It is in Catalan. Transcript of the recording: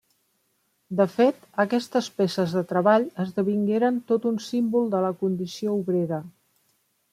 De fet, aquestes peces de treball esdevingueren tot un símbol de la condició obrera.